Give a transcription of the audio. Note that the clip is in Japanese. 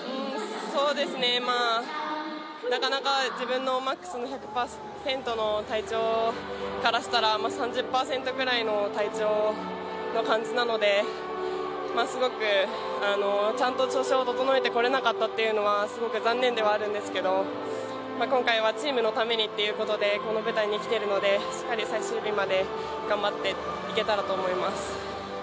なかなか自分のマックスの１００％の体調からしたら３０％くらいの体調の感じなのでちゃんと調子を整えてこれなかったっていうのはすごく残念ではあるんですけど今回はチームのためにということでこの舞台に来ているので、しっかり最終日まで頑張っていけたらと思います。